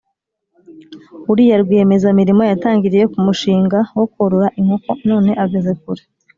Uriya rwiyemeza mirimo yatangiriye kumushinga wo korora imkoko none ageze kure